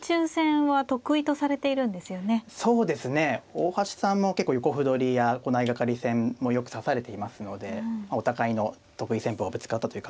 大橋さんも結構横歩取りやこの相掛かり戦もよく指されていますのでお互いの得意戦法がぶつかったという感じでしょうかね。